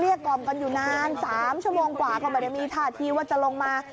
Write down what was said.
กล่อมกันอยู่นาน๓ชั่วโมงกว่าก็ไม่ได้มีท่าทีว่าจะลงมา